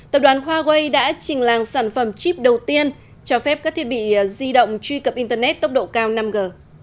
tập đoàn huawei đã trình làng sản phẩm chip đầu tiên cho phép các thiết bị di động truy cập internet tốc độ cao năm g